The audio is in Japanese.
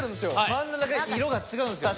真ん中だけ色が違うんですよ。